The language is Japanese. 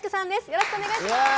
よろしくお願いします。